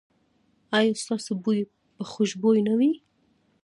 ایا ستاسو بوی به خوشبويه نه وي؟